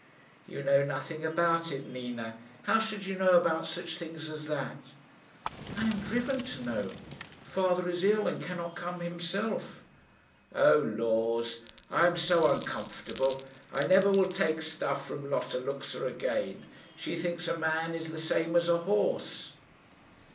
"You know nothing about it, Nina. How should you know about such things as that?" "I am driven to know. Father is ill, and cannot come himself." "Oh, laws! I am so uncomfortable. I never will take stuff from Lotta Luxa again. She thinks a man is the same as a horse."